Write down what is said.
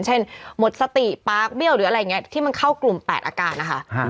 หมดสติปากเบี้ยวหรืออะไรอย่างนี้ที่มันเข้ากลุ่ม๘อาการนะคะ